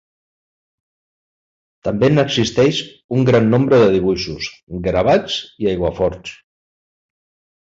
També n'existeix un gran nombre de dibuixos, gravats i aiguaforts.